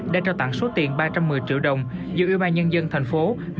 đã trao tặng số tiền ba trăm một mươi triệu đồng do yêu bai nhân dân tp hcm